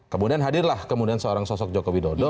kemudian hadirlah kemudian seorang sosok jokowi dodo